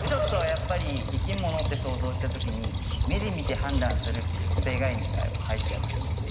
やっぱり生き物って想像した時に目で見て判断するっていう固定概念が入っちゃってるので。